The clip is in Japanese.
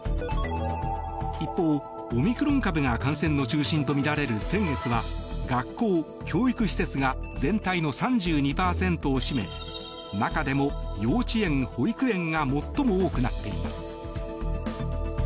一方、オミクロン株が感染の中心とみられる先月は学校・教育施設が全体の３２％を占め中でも幼稚園・保育園が最も多くなっています。